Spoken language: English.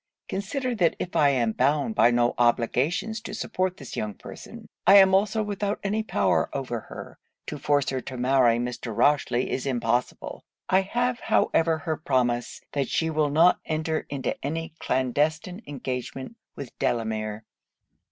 Consider that if I am bound by no obligations to support this young person, I am also without any power over her. To force her to marry Mr. Rochely is impossible. I have however her promise that she will not enter into any clandestine engagement with Delamere.'